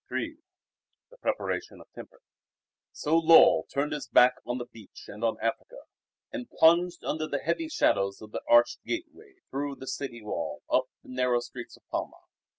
III The Preparation of Temper So Lull turned his back on the beach and on Africa, and plunged under the heavy shadows of the arched gateway through the city wall up the narrow streets of Palma.